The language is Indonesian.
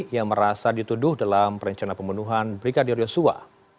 yang merasa dituduh dalam perencanaan pembunuhan brigadir yosua